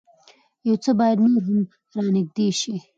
يو څه بايد نور هم را نېږدې شي.